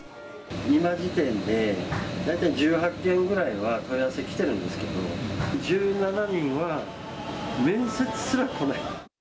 今時点で大体１８件くらいは問い合わせ来てるんですけど、１７人は、面接すら来ない。